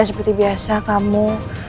dan seperti biasa kamu